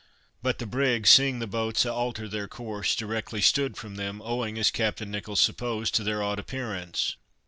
But the brig, seeing the boats after their course, directly stood from them, owing, as Captain Nicholls supposed, to their odd appearance.